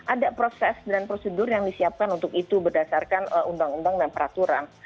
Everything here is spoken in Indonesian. ada proses dan prosedur yang disiapkan untuk itu berdasarkan undang undang dan peraturan